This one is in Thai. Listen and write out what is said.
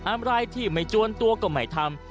อะไรที่ไม่จวนตัวก็ไม่ทำ